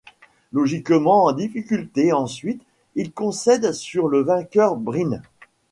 Logiquement en difficulté ensuite, il concède sur le vainqueur Breen.